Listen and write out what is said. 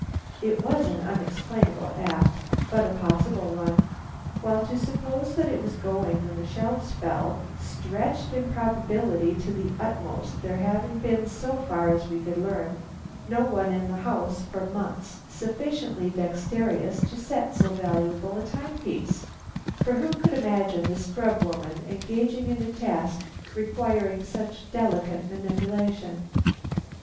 It was an unexplainable act, but a possible one; while to suppose that it was going when the shelves fell, stretched improbability to the utmost, there having been, so far as we could learn, no one in the house for months sufficiently dexterous to set so valuable a timepiece; for who could imagine the scrub woman engaging in a task requiring such delicate manipulation.